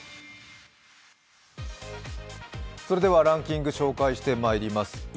ランキング紹介してまいります。